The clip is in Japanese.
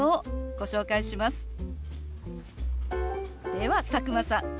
では佐久間さん